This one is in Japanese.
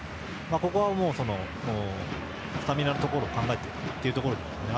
ここはスタミナのところを考えてというところですね。